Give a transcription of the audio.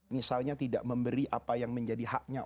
misalnya tidak memberikan puasa atau berpikir pikirkan kepadanya